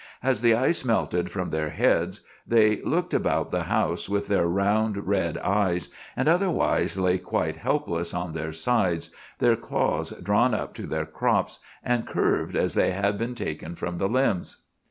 As the ice melted from their heads, they looked about the house with their round red eyes, and otherwise lay quite helpless on their sides, their claws drawn up to their crops, and curved as they had been taken from the limbs.